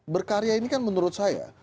berkarya ini kan menurut saya